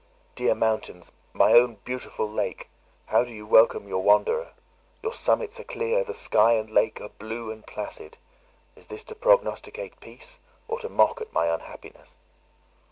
"Dear mountains! my own beautiful lake! how do you welcome your wanderer? Your summits are clear; the sky and lake are blue and placid. Is this to prognosticate peace, or to mock at my unhappiness?"